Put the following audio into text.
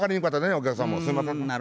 お客さんもすいません。